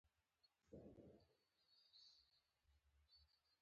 د خصوصي پانګې لیږد پکې نه حسابیږي.